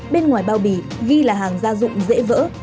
bên ngoài bao bì ghi là hàng gia dụng dễ vỡ